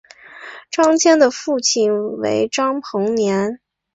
张謇的父亲为张彭年。